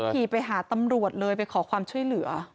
ขี่ไปหาตำรวจเลยไปขอความช่วยเหลือ